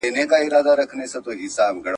ریس وویل چي ډاکټر زموږ پاڼه وړاندي کړه.